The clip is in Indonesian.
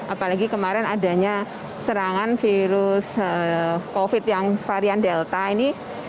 apalagi kemarin adanya serangan virus covid yang varian delta ini